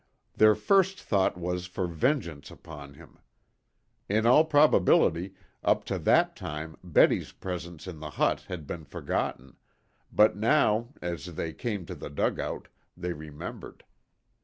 Their first thought was for vengeance upon him. In all probability, up to that time, Betty's presence in the hut had been forgotten, but now, as they came to the dugout, they remembered.